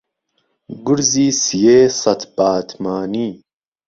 گورزی سیێ سەت باتمانی